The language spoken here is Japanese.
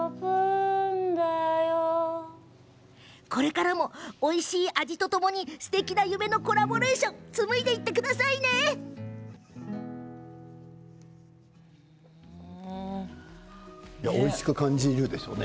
これからもおいしい味とともにすてきなコラボレーションかなでておいしく感じるでしょうね。